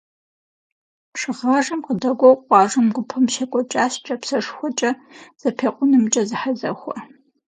Шыгъажэм къыдэкӏуэу къуажэм гупэм щекӏуэкӏащ кӏапсэшхуэкӏэ зэпекъунымкӏэ зэхьэзэхуэ.